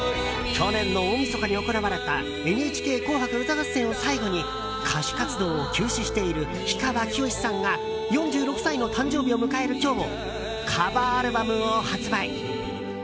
去年の大みそかに行われた「ＮＨＫ紅白歌合戦」を最後に歌手活動を休止している氷川きよしさんが４６歳の誕生日を迎える今日カバーアルバムを発売。